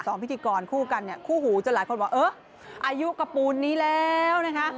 พิธีกรคู่กันเนี่ยคู่หูจนหลายคนบอกเอออายุกระปูนนี้แล้วนะคะ